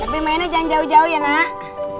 lebih mainnya jangan jauh jauh ya nak